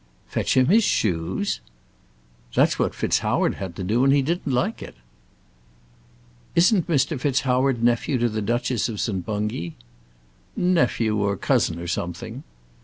"Fetch him his shoes!" "That's what FitzHoward had to do, and he didn't like it." "Isn't Mr. FitzHoward nephew to the Duchess of St. Bungay?" "Nephew, or cousin, or something."